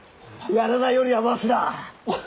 やらないよりはマシだ！